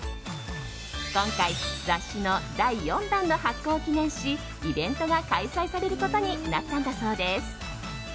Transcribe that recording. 今回雑誌の第４弾の発行を記念しイベントが開催されることになったんだそうです。